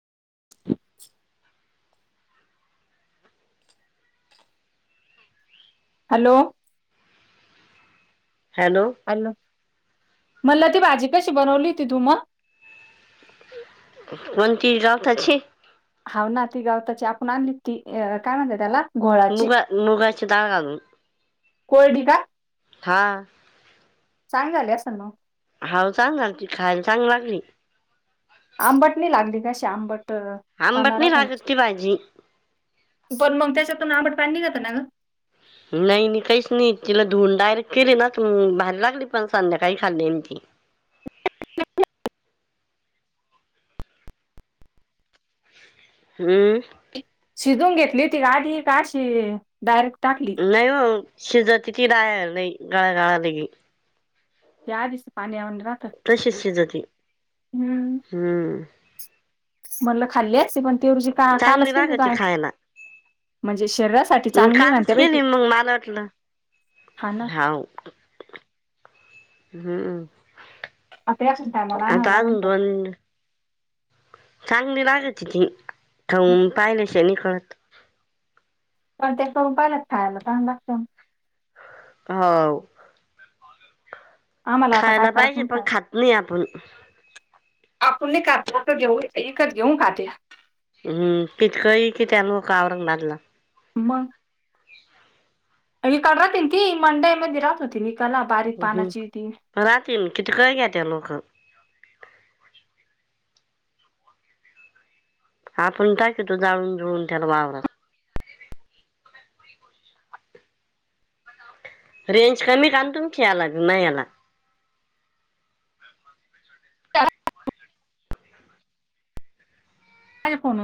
[inaudible] Hello. Hello. Hello. मनलं, ती भाजी कशी बनवली होती तूम? कोणती? गवताची. हाव ना. ती गावताची. आपण आणली ती. काय म्हणत्या त्याला? घोळाची मुगा- मुगाची दाळ घालून. कोरडी का हा. चांगली झाली असल मंग. हाव चांगल झालती. खायला चांगल लागली. आंबट नाही लागली का? अशी आंबट, आंबट पना नाही राहतो ना. लागत ती भाजी पण मग त्याच्यातून, आंबट पाणी निघत ना गं. नाही- नाही, काहीच नाही. तिला धुवून डायरेक्ट केले ना. भारी लागली. पण संध्याकाळी खाल्ली मी ती. हम्म. शिजऊन घेतली होती का, आधी? का अशी, डायरेक्ट टाकली? नाही ओ. शिजति की राय नाही. गाळना लगी. ते आधीच तर, पाण्यावाणी राहत. तशीच शिजति. हम्म, हं. म्हणलं खाल्ली असती. पण ती रोजी का कालच चांगली केलती लागती खायला [unintelligible] म्हणजे शरीरासाठी मी चांगली कालच म्हणत्या बाई ती. केली मग मला वाटलं हा ना हाव. हम्म. आता एखाद्या टायमाला आणावं आता लागल अजून पण दोन चांगली लागती ती. खाऊन पाहिल्याशिवाय नाही कळत. पण त्या पाहून, खायाला चांगलं लागत. हाव. आम्हाला आता काय खायला करा पाहिजे तुम्ही पण सांगा. खात नाही आपण. आपण नाही खात ना तर देऊ दे एकच घेऊन खाते. हम्म पितकळी कि त्या लोकं औरंगाबादला? म [unintelligible] मंडई मध्ये राहत होती निकाला बारीक पानाची ती. राहतीन किती काय घ्या त्या लोकं. आपण टाकेतो जाळून जुळून त्याला वावरात. रेंज कमी कान तुमची आलं का नाही आला. [unintelligible] आहे फोनून.